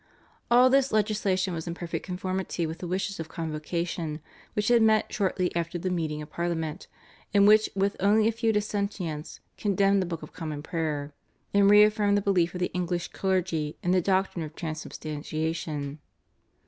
All this legislation was in perfect conformity with the wishes of Convocation, which had met shortly after the meeting of Parliament, and which with only a few dissentients condemned the Book of Common Prayer, and re affirmed the belief of the English clergy in the doctrine of Transubstantiation.